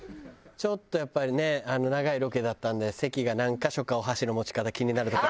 ちょっとやっぱりね長いロケだったんで関が何カ所かお箸の持ち方気になるところありましたね。